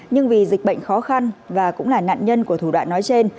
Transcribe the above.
nhưng vì dịch bệnh khó khăn và cũng là nạn nhân của thủ đoạn nói trên